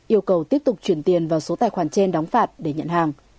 yêu cầu tiếp tục chuyển tiền vào số tài khoản trên đóng phạt để nhận hàng